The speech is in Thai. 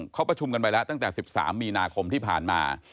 เขาประชุมกันไปแล้วตั้งแต่๑๓มีนาคมที่ผ่านมา